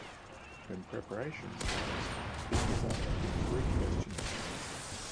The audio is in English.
When preparation starts, speakers are offered three questions to answer.